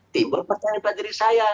timbul persen daripada diri saya